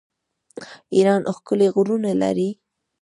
ایران ښکلي غرونه لري.